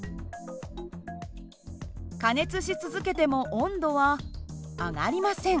加熱し続けても温度は上がりません。